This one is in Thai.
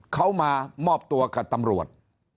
เขามามอบตัวกับตำรวจ